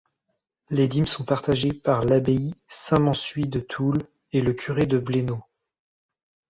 Les dîmes sont partagées par l'abbaye Saint-Mansuy de Toul et le curé de Blénod.